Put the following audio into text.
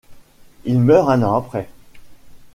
Il meurt un an après.